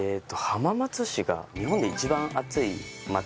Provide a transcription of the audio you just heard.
浜松市が日本で一番暑い街